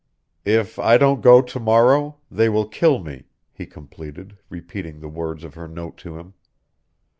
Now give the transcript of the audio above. "If I don't go to morrow they will kill me," he completed, repeating the words of her note to him.